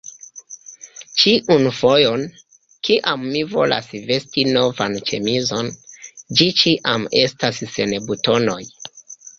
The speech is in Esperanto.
ĉiun fojon, kiam mi volas vesti novan ĉemizon, ĝi ĉiam estas sen butonoj!